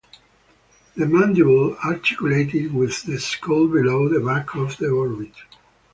The mandible articulated with the skull below the back of the orbit.